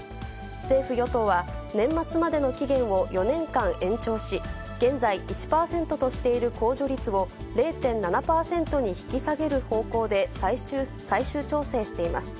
政府・与党は、年末までの期限を４年間延長し、現在１％としている控除率を、０．７％に引き下げる方向で最終調整しています。